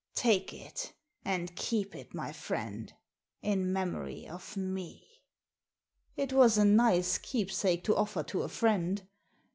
Take it and keep it, my friend, in memory of me." It was a nice keepsake to offer to a friend.